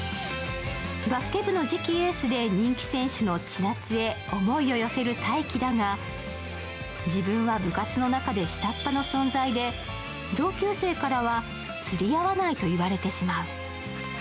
バスケ部の次期エースで人気選手の千夏へ思いを寄せる大喜だが自分は部活の中で下っぱの存在で、同級生からは釣り合わないと言われてしまう。